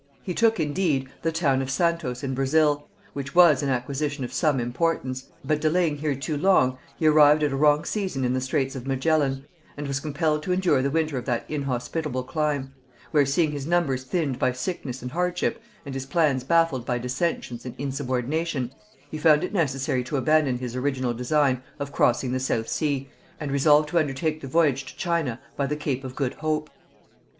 He took indeed the town of Santos in Brazil, which was an acquisition of some importance; but delaying here too long, he arrived at a wrong season in the Straits of Magellan, and was compelled to endure the winter of that inhospitable clime; where seeing his numbers thinned by sickness and hardship, and his plans baffled by dissentions and insubordination, he found it necessary to abandon his original design of crossing the South Sea, and resolved to undertake the voyage to China by the Cape of Good Hope.